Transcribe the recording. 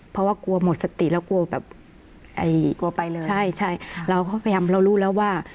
เพราะว่ากลัวหมดสติแล้วกลัวแบบกลัวไปเลยใช่ใช่เราก็พยายามเรารู้แล้วว่า